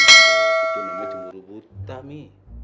itu namanya cemburu buta mi